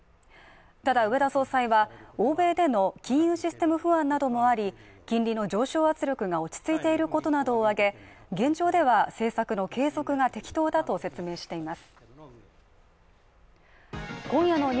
ただ植田総裁は、欧米での金融システム不安などもあり、金利の上昇圧力が落ち着いていることなどを挙げ、現状では政策の継続が適当だと説明しています